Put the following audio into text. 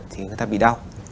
thì người ta bị đau